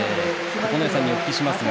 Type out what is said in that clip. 九重さんにお聞きします。